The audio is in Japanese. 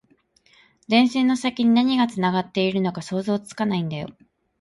電線の先に何がつながっているのか想像つかないんだよ